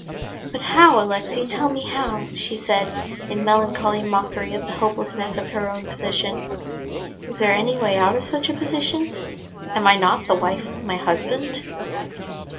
"But how, Alexey, tell me how?" she said in melancholy mockery at the hopelessness of her own position. "Is there any way out of such a position? Am I not the wife of my husband?"